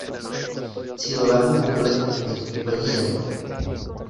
Cílovému publiku je to úplně jedno.